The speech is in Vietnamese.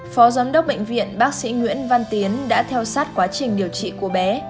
phó giám đốc bệnh viện bác sĩ nguyễn văn tiến đã theo sát quá trình điều trị của bé